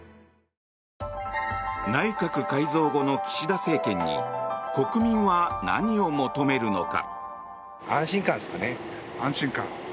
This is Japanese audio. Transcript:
内閣改造後の岸田政権に国民は何を求めるのか。